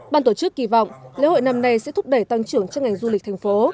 ban tổ chức kỳ vọng lễ hội năm nay sẽ thúc đẩy tăng trưởng cho ngành du lịch thành phố